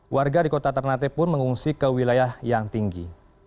warga di kota ternate pun mengungsi ke wilayah yang tinggi